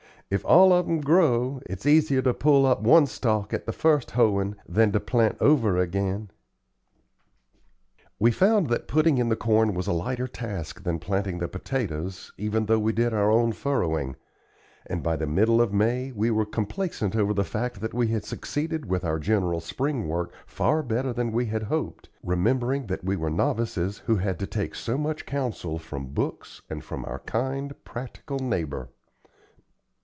If all of 'em grow, it's easier to pull up one stalk at the first hoeing than to plant over again." We found that putting in the corn was a lighter task than planting the potatoes even though we did our own furrowing; and by the middle of May we were complacent over the fact that we had succeeded with our general spring work far better than we had hoped, remembering that we were novices who had to take so much counsel from books and from our kind, practical neighbor.